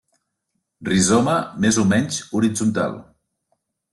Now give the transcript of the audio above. Rizoma més o menys horitzontal.